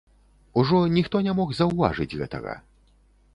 Ужо ніхто не мог заўважыць гэтага.